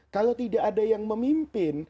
kalau tidak ada yang memimpin